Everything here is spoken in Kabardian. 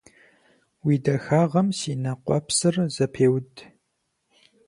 Уи дахагъэм си нэ къуэпсыр зэпеуд.